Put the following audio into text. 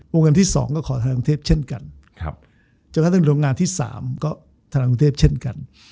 โรงการที่สองก็ขอธนาคารกรุงเทพฯเช่นกันจากนั้นโรงงานที่สามก็ธนาคารกรุงเทพฯเช่นกัน